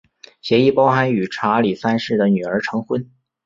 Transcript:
协议包含与查理三世的女儿成婚。